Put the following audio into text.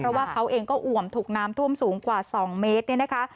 เพราะว่าเขาเองก็อ่วมถูกน้ำท่วมสูงกว่า๒เมตรเนี่ยนะคะ